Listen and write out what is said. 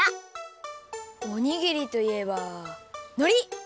おにぎりといえばのり！